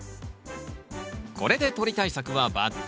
これで鳥対策はバッチリ。